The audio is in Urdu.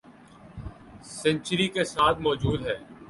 سنچری کے ساتھ موجود ہیں